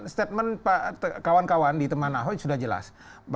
statement kawan kawan di teman ahok sudah jelas